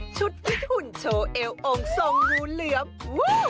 ชุดที่หุ่นโชว์เอวองค์ทรงงูเหลือม